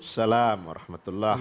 assalamualaikum warahmatullahi wabarakatuh